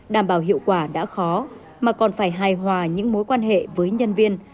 đảm bảo hiệu quả đã khó mà còn phải hài hòa những mối quan hệ với nhân viên